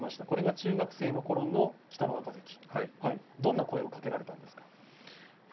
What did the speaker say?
これが中学生のころの北の若関どんな声をかけられたんですか。